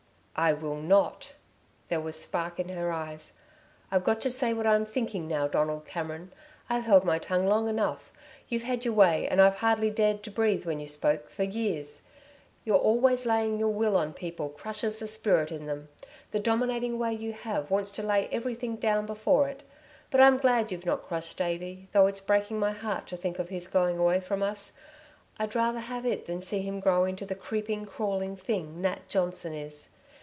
"I will not!" There was a spark in her eyes. "I've got to say what I'm thinking, now, Donald Cameron. I've held my tongue long enough. You've had your way, and I've hardly dared to breathe when you spoke, for years. Your always laying your will on people crushes the spirit in them! The dominating way you have wants to lay down everything before it. But I'm glad you've not crushed Davey though it's breaking my heart to think of his going away from us. I'd rather have it than see him grow into the creeping, crawling thing Nat Johnson is.